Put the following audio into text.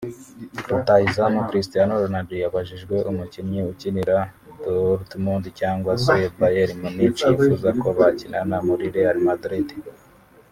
rutahizamu Cristiano Ronaldo yabajijwe umukinnyi ukinira Dortmund cyangwa se Bayern Munich yifuza ko bakinana muri Real Madrid